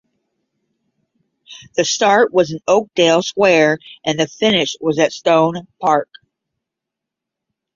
The start was in Oakdale Square and the finish was at Stone Park.